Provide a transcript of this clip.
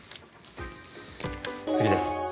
次です。